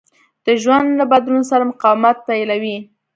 د ژوند له بدلون سره مقاومت پيلوي.